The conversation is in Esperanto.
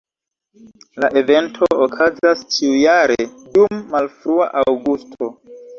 La evento okazas ĉiujare dum malfrua aŭgusto.